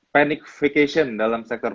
panicfication dalam sektor